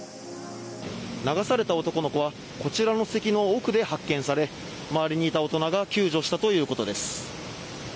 流された男の子はこちらの堰の奥で発見され、周りにいた大人が救助したということです。